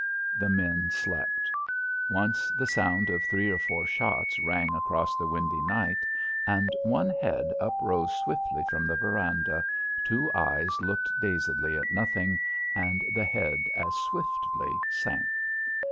The men slept. Once the sound of three or four shots rang across the windy night, and one head uprose swiftly from the verandah, two eyes looked dazedly at nothing, and the head as swiftly sank.